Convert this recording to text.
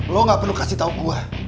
lo gak perlu kasih tahu gue